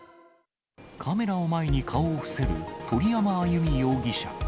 カメラを前に顔を伏せる鳥山あゆみ容疑者。